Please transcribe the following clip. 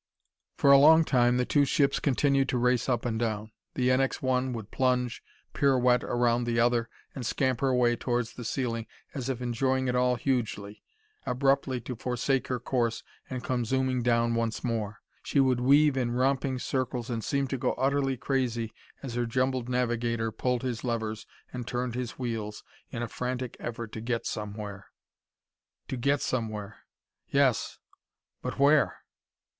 For a long time the two ships continued to race up and down. The NX 1 would plunge, pirouette around the other, and scamper away towards the ceiling as if enjoying it all hugely, abruptly to forsake her course and come zooming down once more. She would weave in romping circles and seem to go utterly crazy as her jumbled navigator pulled his levers and turned his wheels in a frantic effort to get somewhere. To get somewhere! Yes but where?